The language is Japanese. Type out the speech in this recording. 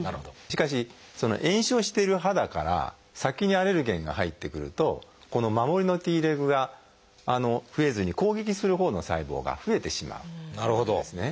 しかし炎症している肌から先にアレルゲンが入ってくるとこの守りのＴレグが増えずに攻撃するほうの細胞が増えてしまうんですね。